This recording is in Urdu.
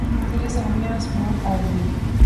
ترے سامنے آسماں اور بھی